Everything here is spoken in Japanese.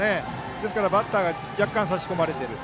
ですからバッターが若干差し込まれている。